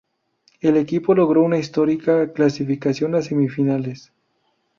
El equipo logró una histórica clasificación a semifinales.